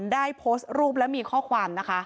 ได้โพสต์รูปและมีข้อความนะคะ